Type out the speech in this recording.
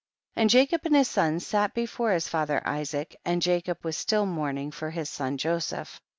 3. And Jacob and his sons sat be fore his father Isaac, and Jacob was still mourning for his son Joseph.